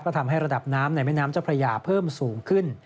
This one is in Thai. ทำให้ระดับน้ำในแม่น้ำเจ้าพระยาเพิ่มสูงขึ้น